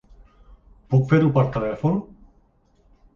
Puc fer-ho per telèfon?